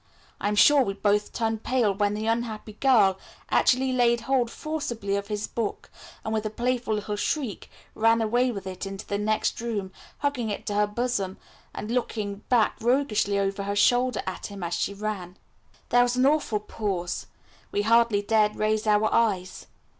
I am sure we both turned pale when the unhappy girl actually laid hold forcibly of his book, and, with a playful little shriek, ran away with it into the next room, hugging it to her bosom and looking back roguishly over her shoulder at him as she ran. There was an awful pause. We hardly dared raise our eyes.